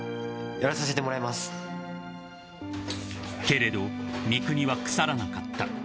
［けれど三國は腐らなかった］